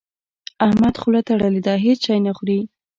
احمد خوله تړلې ده؛ هيڅ شی نه خوري.